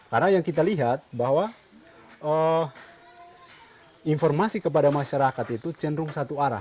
karena yang kita lihat bahwa informasi kepada masyarakat itu cenderung satu arah